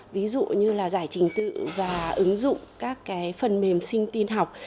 ví dụ như giải trình tự và ứng dụng các phần mềm sinh tin học